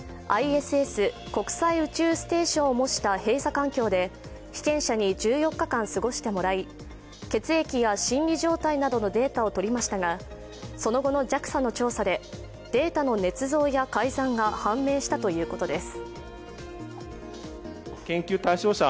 ＩＳＳ＝国際宇宙ステーションを模した閉鎖環境で被験者に１４日間、過ごしてもらい血液や心理状態などのデータを取りましたがその後のＪＡＸＡの調査でデータのねつ造や改ざんが判明したということです。